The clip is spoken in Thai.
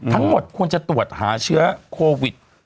ทั้งหมดควรจะตรวจหาเชื้อโควิด